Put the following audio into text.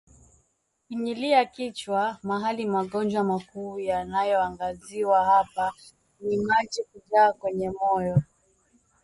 kufinyilia kichwa mahali Magonjwa makuu yanayoangaziwa hapa ni maji kujaa kwenye moyo